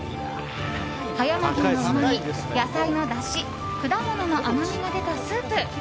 葉山牛のうまみ、野菜のだし果物の甘みが出たスープ。